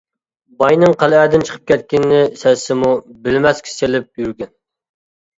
باينىڭ قەلئەدىن چىقىپ كەتكىنىنى سەزسىمۇ بىلمەسكە سېلىپ يۈرگەن.